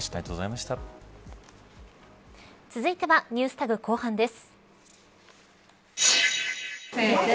続いてはＮｅｗｓＴａｇ後半です。